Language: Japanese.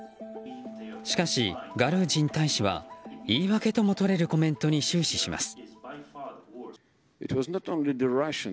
しかし、ガルージン大使は言い訳とも取れるコメントに終始します。